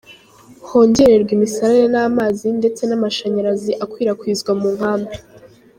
Hongererwe imisarane n’amazi ndetse n’amashanyarazi akwirakwizwa mu nkambi.